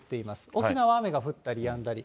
沖縄は雨が降ったりやんだり。